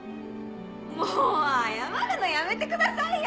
もう謝るのやめてくださいよ！